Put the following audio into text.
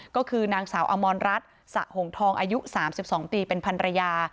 ก็คือนางสาวอมรรัฐสะหงทองอายุ๓๒ปีเป็นพันรยา